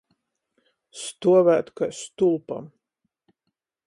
Stuovēt kai stulpam.